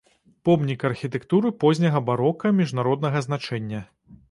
Помнік архітэктуры позняга барока міжнароднага значэння.